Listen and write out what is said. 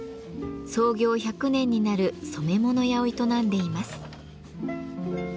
創業１００年になる染め物屋を営んでいます。